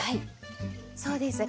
そうです。